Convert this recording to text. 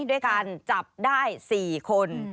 ด้วยการจับได้๔คน